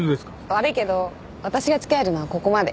悪いけど私が付き合えるのはここまで。